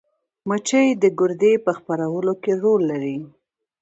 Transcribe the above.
مچۍ د ګردې په خپرولو کې رول لري